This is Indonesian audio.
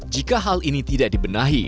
jika hal ini tidak dibenahi